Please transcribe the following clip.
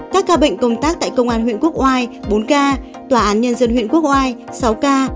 các ca bệnh công tác tại công an huyện quốc oai bốn ca tòa án nhân dân huyện quốc oai sáu ca